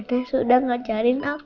karena sudah ngajarin aku